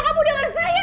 kamu denger saya kan